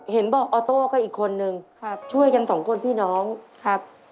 เห็นบอกออโต้ก็อีกคนนึงช่วยกันสองคนพี่น้องครับ